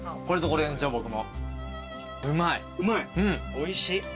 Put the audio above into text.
おいしい。